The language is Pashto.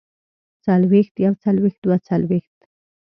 څلوېښت يوڅلوېښت دوه څلوېښت